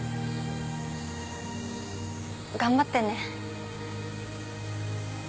頑張ってね。